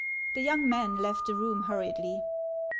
The young man left the room hurriedly.